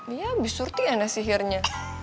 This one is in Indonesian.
iya bisurti nenek sihirnya